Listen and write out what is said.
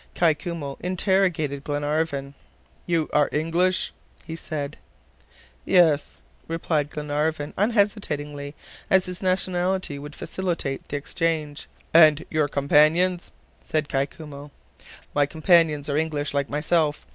Kai Koumou interrogated Glenarvan. "You are English?" said he. "Yes," replied Glenarvan, unhesitatingly, as his nationality would facilitate the exchange. "And your companions?" said Kai Koumou. "My companions are English like myself.